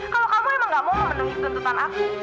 kalau kamu emang gak mau memenuhi tuntutan aku